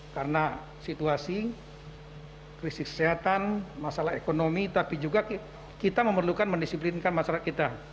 karena situasi krisis kesehatan masalah ekonomi tapi juga kita memerlukan mendisiplinkan masyarakat kita